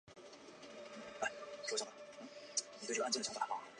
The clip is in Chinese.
粒子和天体物理学氙探测器的研究团队也包含了来自二滩水电站的员工。